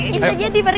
kita jadi pergi